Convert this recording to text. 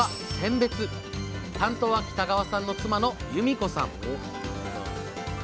担当は北川さんの妻の由美子さん。